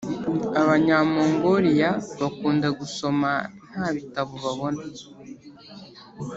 Abanyamongoliya bakunda gusoma nta bitabo babona